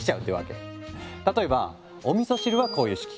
例えばおみそ汁はこういう式。